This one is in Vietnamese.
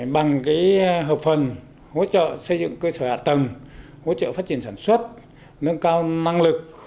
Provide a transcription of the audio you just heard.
bằng hợp phần hỗ trợ xây dựng cơ sở hạ tầng hỗ trợ phát triển sản xuất nâng cao năng lực